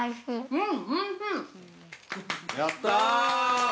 ◆うん。